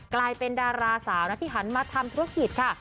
กลายเป็นดาราสาวนะที่หันมาทำธุรกิจค่ะ